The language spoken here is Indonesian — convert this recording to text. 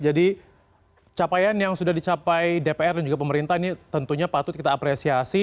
jadi capaian yang sudah dicapai dpr dan juga pemerintah ini tentunya patut kita apresiasi